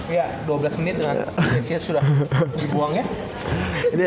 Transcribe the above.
iya dua belas menit dengan